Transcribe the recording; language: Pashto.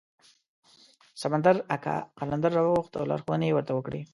سمندر اکا قلندر راوغوښت او لارښوونې یې ورته وکړې.